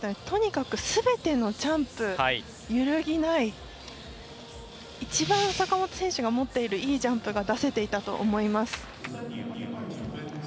とにかくすべてのジャンプ揺るぎない一番、坂本選手が持っているいいジャンプを出せたと思います。